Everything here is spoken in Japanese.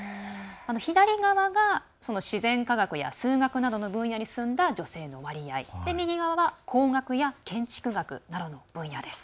左側が自然科学や数学などの分野に進んだ女性の割合で右側が工学や建築学の分野です。